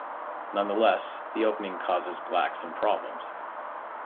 Nonetheless, the opening causes Black some problems.